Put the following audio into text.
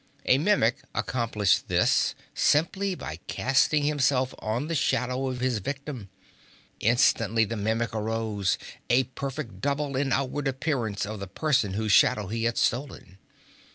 A Mimic accomplished this simply by casting himself on the shadow of his victim. Instantly the Mimic arose, a perfect double in outward appearance of the person whose shadow he had stolen.